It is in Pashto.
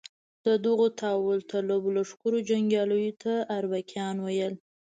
د دغو داوطلبو لښکرونو جنګیالیو ته اربکیان ویل.